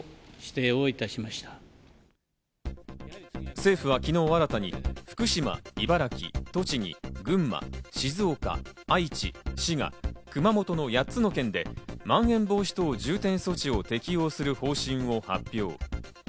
政府は昨日新たに、福島、茨城、栃木、群馬、静岡、愛知、滋賀、熊本の８つの県でまん延防止等重点措置を適用する方針を発表。